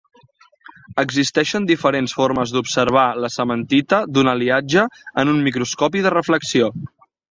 Existeixen diferents formes d'observar la cementita d'un aliatge en un microscopi de reflexió.